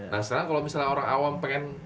nah sekarang kalau misalnya orang awam pengen